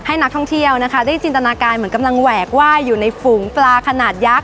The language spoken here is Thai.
ให้นักท่องเที่ยวนะคะได้จินตนาการเหมือนกำลังแหวกว่ายอยู่ในฝูงปลาขนาดยักษ